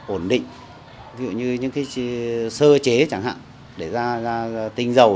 ổn định ví dụ như những cái sơ chế chẳng hạn để ra tinh dầu